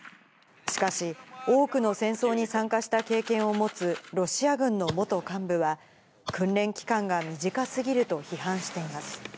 しかし、多くの戦争に参加した経験を持つロシア軍の元幹部は、訓練期間が短すぎると批判しています。